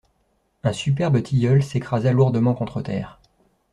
Un superbe tilleul s'écrasa lourdement contre terre.